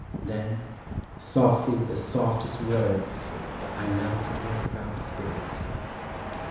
Then, softly with the softest words, I melted her proud spirit.